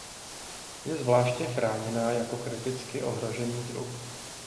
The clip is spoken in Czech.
Je zvláště chráněná jako kriticky ohrožený druh.